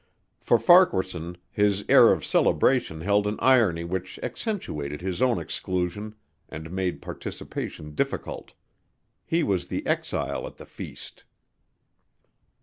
For Farquaharson his air of celebration held an irony which accentuated his own exclusion and made participation difficult. He was the exile at the feast.